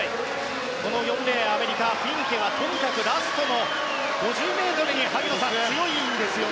この４レーン、アメリカフィンケはとにかくラストの５０ｍに強いんですよね。